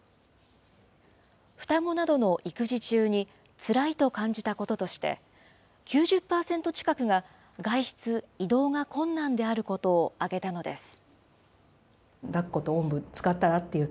双子などの育児中につらいと感じたこととして、９０％近くが、外出・移動が困難であることを挙げたのです。